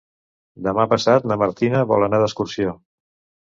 Demà passat na Martina vol anar d'excursió.